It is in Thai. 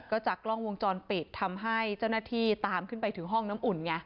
ก็จากกล้องวงจรปิดทำให้เจ้าหน้าที่ตามขึ้นไปถึงห้องน้ำอุ่นไง